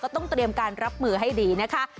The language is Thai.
ต้องเตรียมการรับมือให้ดีนะคะ